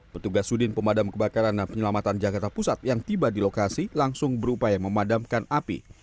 petugas sudin pemadam kebakaran dan penyelamatan jakarta pusat yang tiba di lokasi langsung berupaya memadamkan api